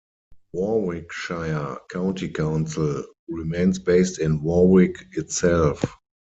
Warwickshire County Council remains based in Warwick itself.